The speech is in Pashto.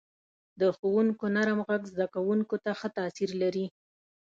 • د ښوونکو نرم ږغ زده کوونکو ته ښه تاثیر لري.